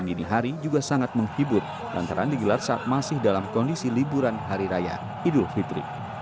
dini hari juga sangat menghibur lantaran digelar saat masih dalam kondisi liburan hari raya idul fitri